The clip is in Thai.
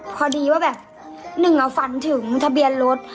พอดีว่าแบบหนึ่งฝันถึงทะเบียนรถ